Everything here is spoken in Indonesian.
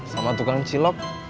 sama tukang cilok